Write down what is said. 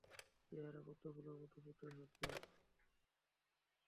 চেহারা পদ্মফুলের মতো ফুটে থাকবে।